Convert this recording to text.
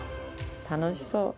楽しそう。